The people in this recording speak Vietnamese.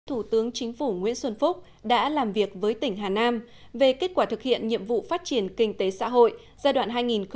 thủ tướng chính phủ nguyễn xuân phúc đã làm việc với tỉnh hà nam về kết quả thực hiện nhiệm vụ phát triển kinh tế xã hội giai đoạn hai nghìn một mươi sáu hai nghìn hai mươi